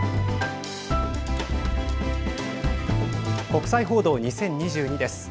国際報道２０２２です。